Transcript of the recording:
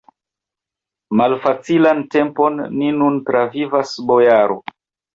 Malfacilan tempon ni nun travivas, bojaro!